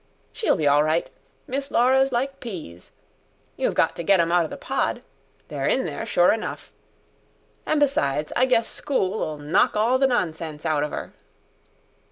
She'll be all right. Miss Laura's like peas. You've got to get 'em outer the pod they're in there sure enough. An' b'sides I guess school'll knock all the nonsense out of 'er."